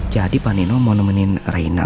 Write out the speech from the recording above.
jadi panino mau nemenin reina